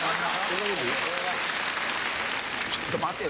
ちょっと待てよ